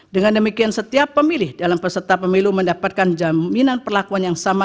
dengan demikian setiap pemilih dalam peserta pemilu mendapatkan jaminan perlakuan yang sama